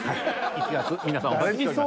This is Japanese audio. １月皆さんお待ちしております。